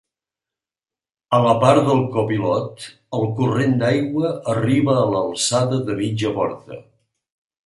A la part del copilot el corrent d'aigua arriba a l'alçada de mitja porta.